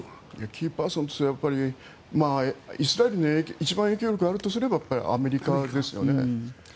キーパーソンはイスラエルの一番影響力があるとすればアメリカですよね。